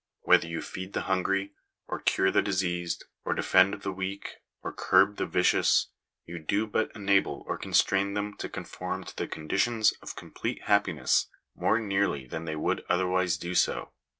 Whether you feed the hungry, or cure the diseased, or defend the weak, or curb the vicious, you do but enable or constrain them to conform to the conditions of complete happiness more nearly than they would otherwise do.